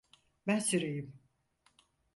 Ben süreyim.